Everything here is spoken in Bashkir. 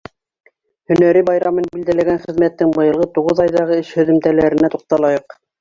Һөнәри байрамын билдәләгән хеҙмәттең быйылғы туғыҙ айҙағы эш һөҙөмтәләренә туҡталайыҡ.